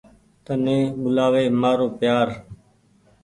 تني ٻولآوي مآرو پيآر۔